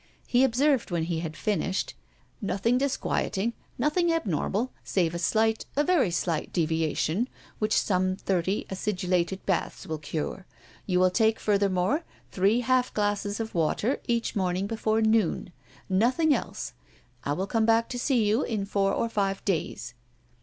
He observed, when he had finished: "Nothing disquieting, nothing abnormal, save a slight, a very slight deviation, which some thirty acidulated baths will cure. You will take furthermore three half glasses of water each morning before noon. Nothing else. I will come back to see you in four or five days."